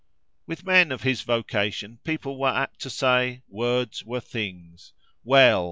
With men of his vocation, people were apt to say, words were things. Well!